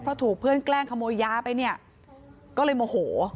เพราะถูกเพื่อนแกล้งขโมยยาไปเนี่ยก็เลยโมโห